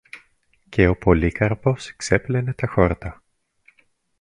και ο Πολύκαρπος ξέπλενε τα χόρτα.